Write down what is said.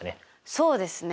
そうですね。